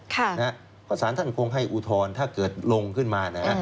เพราะสารท่านคงให้อุทธรณ์ถ้าเกิดลงขึ้นมานะฮะ